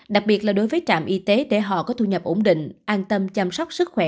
đặc biệt là đối với trạm y tế để họ có thu nhập ổn định an tâm chăm sóc sức khỏe